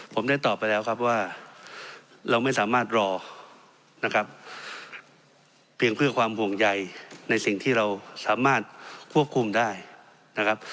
ผมได้ตอบไปแล้วครับว่าเราไม่สามารถรอนะครับเพียงเพื่อความห่วงใยในสิ่งที่เราสามารถควบคุมได้นะครับ